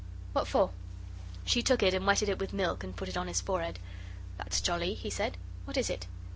What for?" She took it and wetted it with milk and put it on his forehead. "That's jolly," he said; "what is it?"